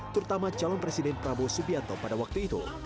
terutama calon presiden prabowo subianto pada waktu itu